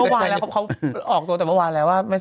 เมื่อวานแล้วเขาออกตัวแต่เมื่อวานแล้วว่า